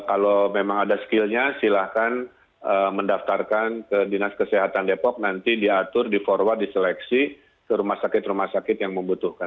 kalau memang ada skillnya silahkan mendaftarkan ke dinas kesehatan depok nanti diatur di forward diseleksi ke rumah sakit rumah sakit yang membutuhkan